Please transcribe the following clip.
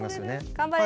頑張れ。